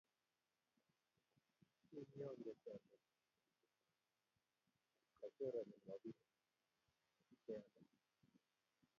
unii anget kole kochorani ngo pikchayandet